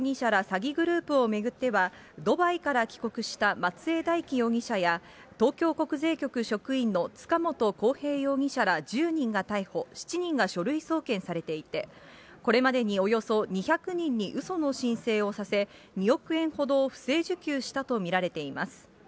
詐欺グループを巡っては、ドバイから帰国した松江大樹容疑者や東京国税局職員の塚本晃平容疑者ら１０人が逮捕、７人が書類送検されていて、これまでにおよそ２００人にうその申請をさせ、２億円ほどを不正受給したと見られています。